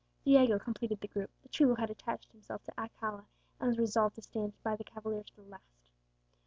Diego completed the group; the chulo had attached himself to Alcala, and was resolved to stand by the cavalier to the last.